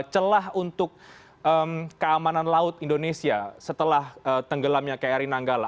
celah untuk keamanan laut indonesia setelah tenggelamnya kri nanggala